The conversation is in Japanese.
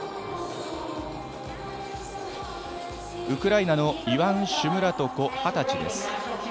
ウクライナのイワン・シュムラトコは二十歳です。